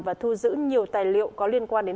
và thu giữ nhiều tài liệu có liên quan đến